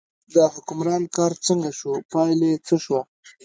د حکمران کار څنګه شو، پایله یې څه شوه.